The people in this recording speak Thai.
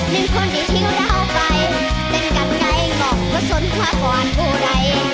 ถึงคนที่ทิ้งเราไปถึงกันไงงบก็สนความหวานผู้ใด